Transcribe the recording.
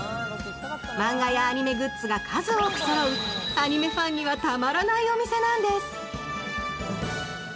マンガやアニメグッズが数多くそろうアニメファンにはたまらないお店なんです。